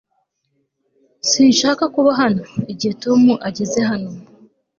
sinshaka kuba hano igihe tom ageze hano